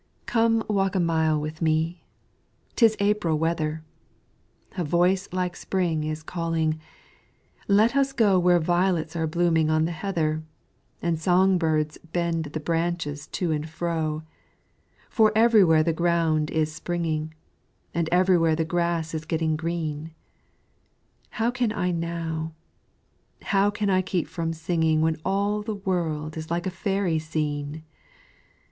APRIL. Come walk a mile with me 'Tis April weather; A voice like Spring is calling: Let us go Where violets are blooming on the heather, And song birds bend the branches to and fro; For everywhere the very ground is springing, And everywhere the grass is getting green How can I now how can I keep from singing When all the world is like a fairy scene!